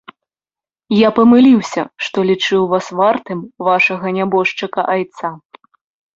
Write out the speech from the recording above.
Я памыліўся, што лічыў вас вартым вашага нябожчыка айца.